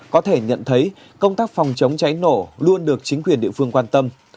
có thể nhận thấy công tác phòng chống cháy nổ luôn được chính quyền địa phương quan tâm